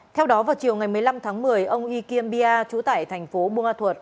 theo đó vào chiều ngày một mươi năm tháng một mươi ông y kim bia chú tại thành phố bơ ma thuật